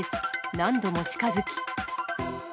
何度も近づき。